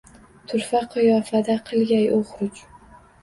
Turfa qiyofada qilgay u xuruj.